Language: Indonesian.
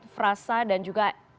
frasa dan juga